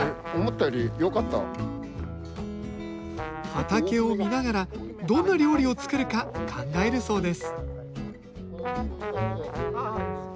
畑を見ながらどんな料理を作るか考えるそうです